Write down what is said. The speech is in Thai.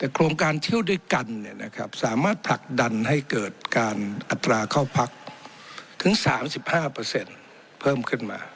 โครงการเที่ยวด้วยกันสามารถผลักดันให้เกิดการอัตราเข้าพักถึง๓๕เพิ่มขึ้นมา